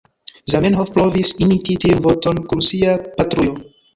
Zamenhof provis imiti tiun vorton kun sia "patrujo".